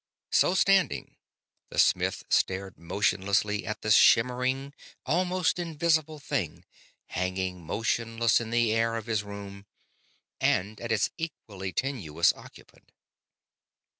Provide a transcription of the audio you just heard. So standing, the smith stared motionlessly at the shimmering, almost invisible thing hanging motionless in the air of his room, and at its equally tenuous occupant.